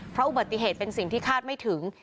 เพราะอุบัติเหตุเป็นสิ่งที่คาดไม่ถึง